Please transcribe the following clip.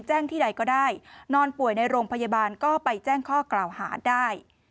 ที่ใดก็ได้นอนป่วยในโรงพยาบาลก็ไปแจ้งข้อกล่าวหาได้